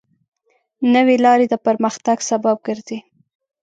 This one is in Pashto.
نوې لارې د پرمختګ سبب ګرځي.